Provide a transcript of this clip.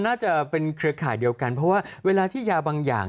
น่าจะเป็นเครือข่ายเดียวกันเพราะว่าเวลาที่ยาบางอย่าง